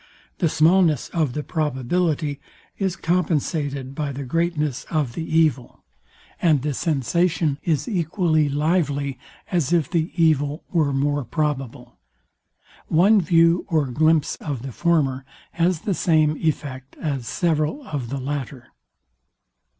The smallness of the probability is compensated by the greatness of the evil; and the sensation is equally lively, as if the evil were more probable. One view or glimpse of the former, has the same effect as several of the latter.